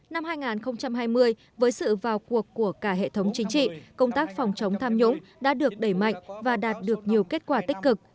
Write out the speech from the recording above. năm hai nghìn hai mươi với sự vào cuộc của cả hệ thống chính trị công tác phòng chống tham nhũng đã được đẩy mạnh và đạt được nhiều kết quả tích cực